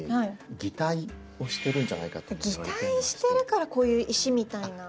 擬態してるからこういう石みたいな。